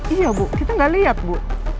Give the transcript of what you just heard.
iya bu kita gak liat bu